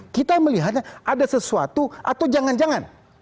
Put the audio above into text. kita melihatnya ada sesuatu atau jangan jangan